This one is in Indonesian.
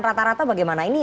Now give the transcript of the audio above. rata rata bagaimana ini